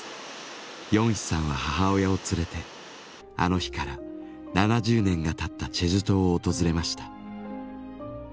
ヨンヒさんは母親を連れてあの日から７０年がたったチェジュ島を訪れました。